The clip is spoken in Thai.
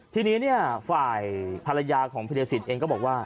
ทีนี้ฝ่ายภารยาของเพี้ยสิทธิ์เองก็บอกว่า